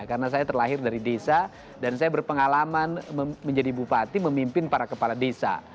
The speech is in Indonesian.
karena saya terlahir dari desa dan saya berpengalaman menjadi bupati memimpin para kepala desa